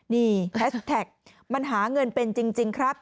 นี่แฮชแท็กมันหาเงินเป็นจริงครับ